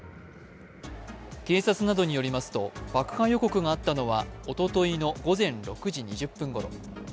警察などによりますと爆破予告があったのはおとといの午前６時２０分ごろ。